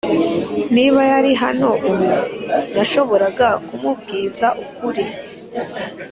niba yari hano ubu, nashoboraga kumubwiza ukuri